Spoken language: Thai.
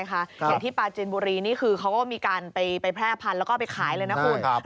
อย่างที่ปาจินบุรีนี่คือเขาก็มีการไปแพร่พันธุ์แล้วก็ไปขายเลยนะคุณ